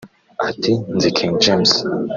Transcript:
Ati “Nzi King James